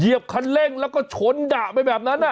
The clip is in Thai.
คันเร่งแล้วก็ชนดะไปแบบนั้น